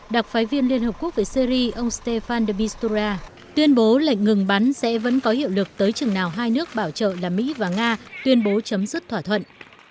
đặc phái viên liên hợp quốc về syri ông stefan debistura tuyên bố lệnh ngừng bắn sẽ vẫn có hiệu lực tới chừng nào hai nước bảo trợ là mỹ và nga tuyên bố chấm dứt thỏa thuận